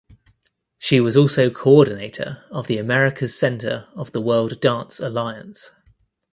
She was also coordinator of the Americas Center of the World Dance Alliance.